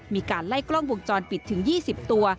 มีการไล่กล้องวงจรปิดถึง๒๐ตัว